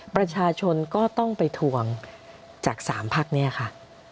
ประชาชนก็ต้องไปทวงจาก๓ภาคนี่นะคะ